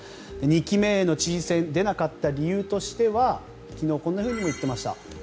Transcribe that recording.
２期目への知事選出なかった理由としては昨日こんなふうに言っていました。